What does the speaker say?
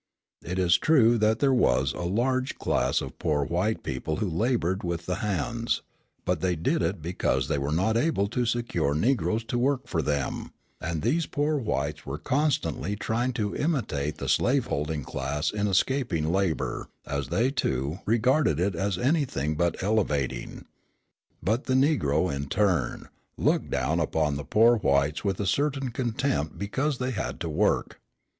It is true that there was a large class of poor white people who laboured with the hands, but they did it because they were not able to secure Negroes to work for them; and these poor whites were constantly trying to imitate the slaveholding class in escaping labour, as they, too, regarded it as anything but elevating. But the Negro, in turn, looked down upon the poor whites with a certain contempt because they had to work.